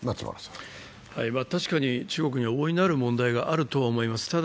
確かに中国には大いなる問題があるとは思います。